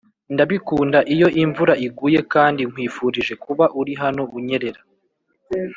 ndabikunda iyo imvura iguye kandi nkwifurije kuba uri hano unyerera.